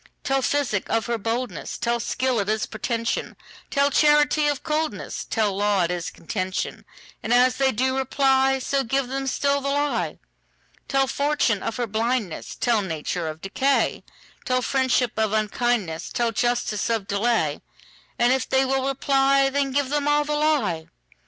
Tell physic of her boldness; Tell skill it is pretension; Tell charity of coldness; Tell law it is contention:And as they do reply, So give them still the lie. Tell fortune of her blindness; Tell nature of decay; Tell friendship of unkindness; Tell justice of delay; And if they will reply, Then give them all the lie.